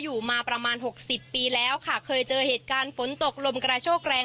อยู่มาประมาณหกสิบปีแล้วค่ะเคยเจอเหตุการณ์ฝนตกลมกระโชกแรง